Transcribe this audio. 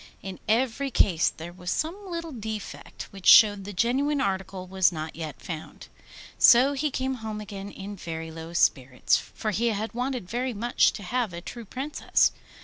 In every case there was some little defect, which showed the genuine article was not yet found. So he came home again in very low spirits, for he had wanted very much to have a true Princess.